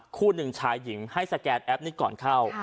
คู่หนึ่งชายหญิงให้สแกนแอปนี้ก่อนเข้า